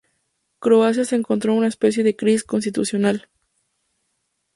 Croacia se encontró en una especie de crisis constitucional.